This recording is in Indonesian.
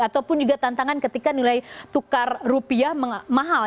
ataupun juga tantangan ketika nilai tukar rupiah mahal